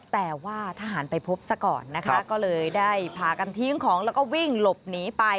แต่ว่าทหารไปพบซะก่อนนะคะก็เลยได้พากันทิ้งของแล้วก็วิ่งหลบหนีไป